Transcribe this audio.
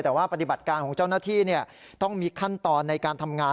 แต่ว่าปฏิบัติการของเจ้าหน้าที่ต้องมีขั้นตอนในการทำงาน